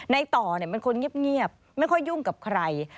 ในต่อเป็นคนเงียบไม่ค่อยยุ่งกับใคร